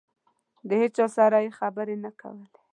د هېچا سره یې خبرې نه کولې.